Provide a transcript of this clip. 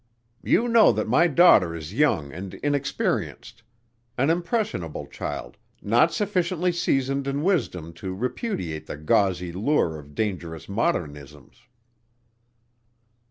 "You know that my daughter is young and inexperienced an impressionable child not sufficiently seasoned in wisdom to repudiate the gauzy lure of dangerous modernisms."